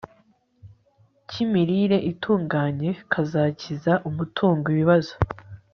kimirire itunganye kazakiza umuntu ibibazo